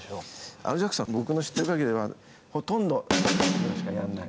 アル・ジャクソンは僕の知ってる限りではほとんどぐらいしかやんない。